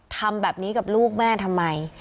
ทำแบบนี้กับลูกแม่ทำไม